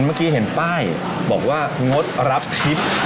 เมื่อกี้เห็นป้ายบอกว่างดรับทริป